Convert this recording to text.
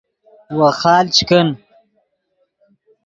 ویخال چے کن